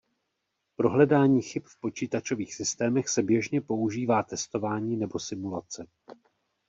Pro hledání chyb v počítačových systémech se běžně používá testování nebo simulace.